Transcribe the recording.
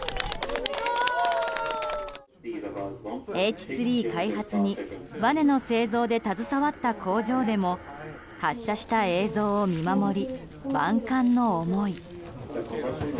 Ｈ３開発にバネの製造で携わった工場でも発射した映像を見守り万感の思い。